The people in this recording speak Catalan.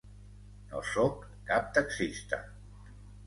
No sóc cap taxista.